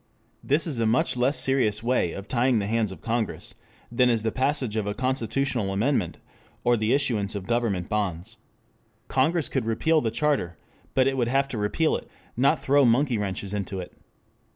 This is a much less serious way of "tying the hands of Congress" than is the passage of a Constitutional amendment or the issuance of government bonds. Congress could repeal the charter. But it would have to repeal it, not throw monkey wrenches into it.